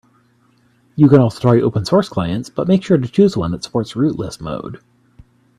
You can also try open source clients, but make sure to choose one that supports rootless mode.